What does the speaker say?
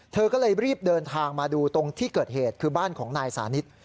เธอก็เลยรีบเดินทางมาดูตรงที่เกิดเหตุคือบ้านของนายสานิท